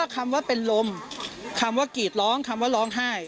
คำว่าเป็นลมคำว่ากรีดร้องคำว่าร้องไห้